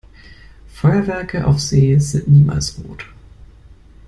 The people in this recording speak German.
Feuerwerke auf See sind niemals rot.